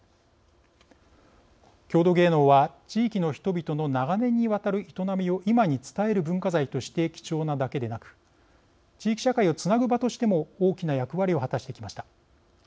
郷土芸能は地域の人々の長年にわたる営みを今に伝える文化財として貴重なだけでなく地域社会をつなぐ場としても大きな役割を果たしてきました。